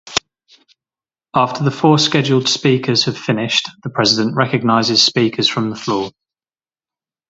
After the four scheduled speakers have finished, the President recognizes speakers from the floor.